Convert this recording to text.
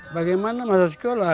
bagaimana masa sekolah